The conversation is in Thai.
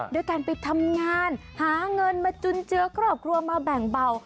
ด้วยการไปทำงานหาเงินมาจุนเจือครอบครัวมาแบ่งเบา